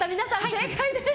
正解です！